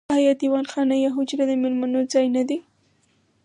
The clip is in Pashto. آیا دیوان خانه یا حجره د میلمنو ځای نه دی؟